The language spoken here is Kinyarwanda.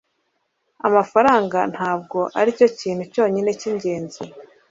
amafaranga ntabwo aricyo kintu cyonyine cyingenzi